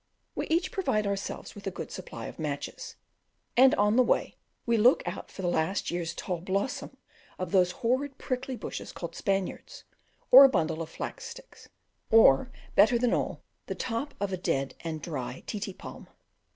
We each provide ourselves with a good supply of matches, and on the way we look out for the last year's tall blossom of those horrid prickly bushes called "Spaniards," or a bundle of flax sticks, or, better than all, the top of a dead and dry Ti ti palm.